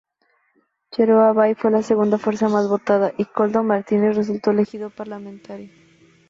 Geroa Bai fue la segunda fuerza más votada y Koldo Martínez resultó elegido parlamentario.